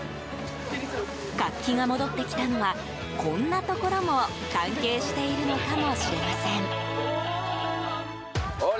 活気が戻ってきたのはこんなところも関係しているのかもしれません。